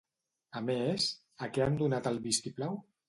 A més, a què han donat el vistiplau?